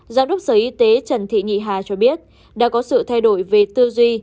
giám đốc sở y tế trần thị nhị hà cho biết đã có sự thay đổi về tư duy